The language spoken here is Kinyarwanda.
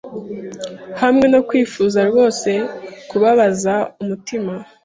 hamwe no kwifuza rwose kubabaza umutima?